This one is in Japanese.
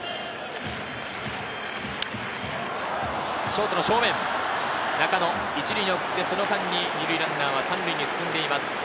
ショートの正面、中野が１塁に送って、その間に２塁ランナーは３塁に進んでいます。